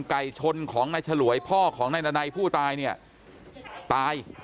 ไก่ชนของนายฉลวยพ่อของนายนาไนผู้ตายเนี่ยตาย